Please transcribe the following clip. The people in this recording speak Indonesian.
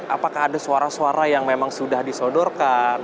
apakah ada suara suara yang memang sudah disodorkan